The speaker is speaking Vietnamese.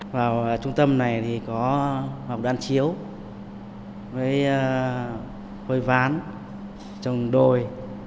vào trung tâm này thì có hồng đan chiếu với hôi ván trồng đồi